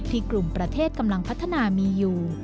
กลุ่มประเทศกำลังพัฒนามีอยู่